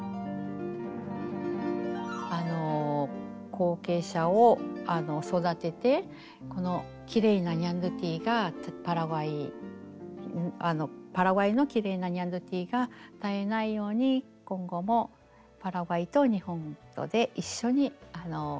後継者を育ててこのきれいなニャンドゥティがパラグアイのきれいなニャンドゥティが絶えないように今後もパラグアイと日本とで一緒に活動をしていきたいと思ってます。